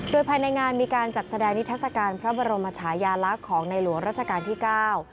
โดยภายในงานมีการจัดแสดงนิทัศกาลพระบรมชายาลักษณ์ของในหลวงราชการที่เก้า